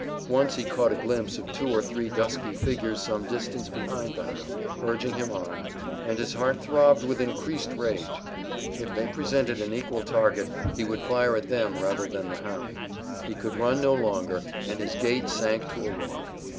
Once he caught a glimpse of two or three dusky figures some distance behind the hound, urging him on, and his heart throbbed with increased rage. If they presented an equal target he would fire at them rather than the hound. He could run no longer, and his gait sank to a walk.